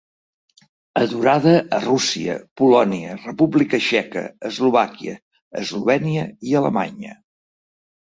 Adorada a Rússia, Polònia, República Txeca, Eslovàquia, Eslovènia i Alemanya.